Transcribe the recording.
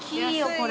これ。